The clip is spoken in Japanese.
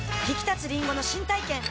ひきたつりんごの新体験